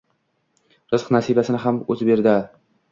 Rizq-nasibasini ham o`zi beradi